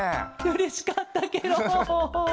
うれしかったケロ。